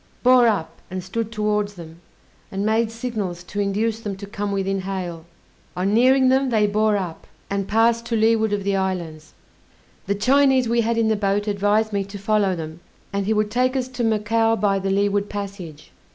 Bore up, and stood towards them, and made signals to induce them to come within hail; on nearing them, they bore up, and passed to leeward of the islands. The Chinese we had in the boat advised me to follow them, and he would take us to Macao by the leeward passage.